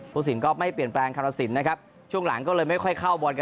ผู้สินก็ไม่เปลี่ยนแปลงคารสินนะครับช่วงหลังก็เลยไม่ค่อยเข้าบอลกัน